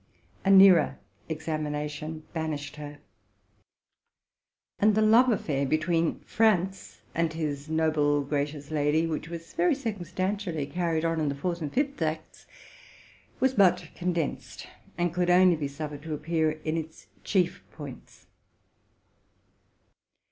A nearer examination banished her; and the love affair between Franz and his noble, gracious lady, which was very circumstantially carried on in the fourth and fifth acts, was much condensed, and could only be suffered to appear in its chief points.